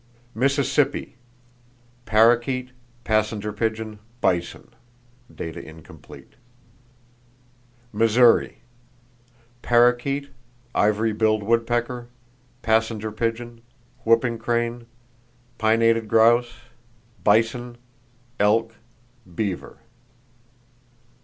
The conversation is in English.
Mississippi: Parrakeet, passenger pigeon; bison. (Data incomplete.) [Page 44] Missouri: Parrakeet, ivory billed woodpecker, passenger pigeon, whooping crane, pinnated grouse; bison, elk, beaver.